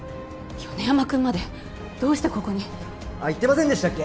米山君までどうしてここに？あっ言ってませんでしたっけ？